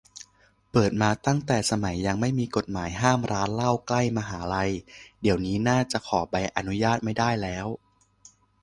เปิดมาตั้งแต่สมัยยังไม่มีกฎหมายห้ามร้านเหล้าใกล้มหาลัย เดี๋ยวนี้น่าจะขอใบอนุญาตไม่ได้แล้ว